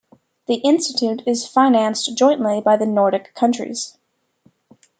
The institute is financed jointly by the Nordic countries.